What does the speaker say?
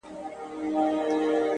نو ځکه هغه ته پرده وايو!